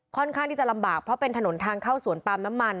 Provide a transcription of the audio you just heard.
ค่อนข้างที่จะลำบากเพราะเป็นถนนทางเข้าสวนปาล์มน้ำมัน